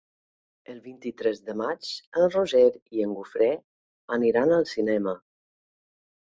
El vint-i-tres de maig en Roger i en Guifré aniran al cinema.